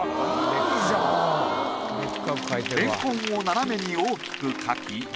レンコンを斜めに大きく描き